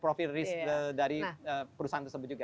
profil risk dari perusahaan tersebut juga